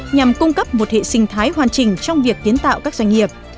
nhằm cung cấp một hệ sinh thái hoàn chỉnh trong việc kiến tạo các doanh nghiệp